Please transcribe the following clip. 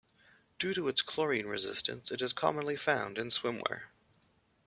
Due to its chlorine resistance it is commonly found in swimwear.